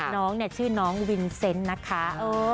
น้องเนี่ยชื่อน้องวินเซนต์นะคะ